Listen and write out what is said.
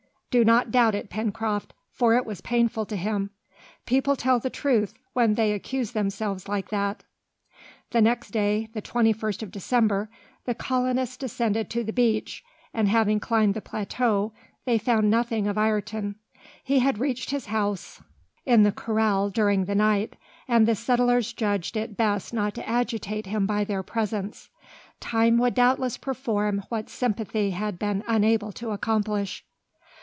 "Do not doubt it, Pencroft, for it was painful to him. People tell the truth when they accuse themselves like that!" The next day the 21st of December the colonists descended to the beach, and having climbed the plateau they found nothing of Ayrton. He had reached his house in the corral during the night, and the settlers judged it best not to agitate him by their presence. Time would doubtless perform what sympathy had been unable to accomplish.